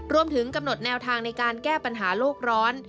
รวมถึงกำหนดแนวทางในการแก้ปัญหาโลกร้อน